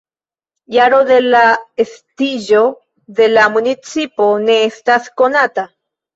Jaro de la estiĝo de la municipo ne estas konata.